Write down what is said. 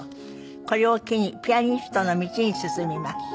これを機にピアニストの道に進みます。